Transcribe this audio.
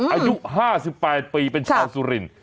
อายุ๕๘ปีเป็นชาวสุรินทร์